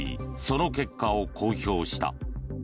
その結果を公表した。